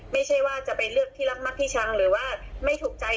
ไม่ใช่ว่าจะไปเลือกที่รักมักที่ชังหรือว่าไม่ถูกใจ